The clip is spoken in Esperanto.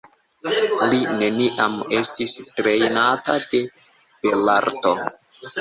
Li neniam estis trejnata de belarto.